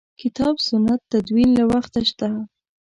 کتاب سنت تدوین له وخته شته.